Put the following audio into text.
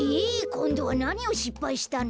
こんどはなにをしっぱいしたの？